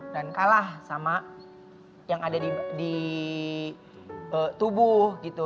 dan kalah sama yang ada di tubuh gitu